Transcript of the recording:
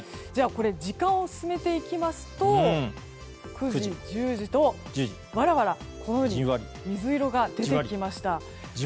時間を進めていきますと９時、１０時と、わらわら水色が出てきました。